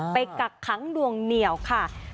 ไปกักห้ั้งหลวงเหนี่ยวค่ะ